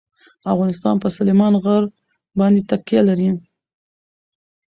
افغانستان په سلیمان غر باندې تکیه لري.